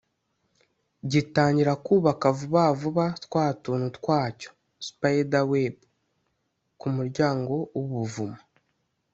gitangira kubaka vubavuba twa tuntu twacyo (spider web) ku muryango w'ubuvumo